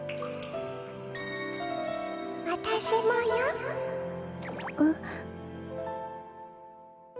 わたしもよ。えっ。